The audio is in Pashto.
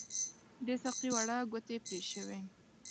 د ساقۍ واړه ګوتې پري شوي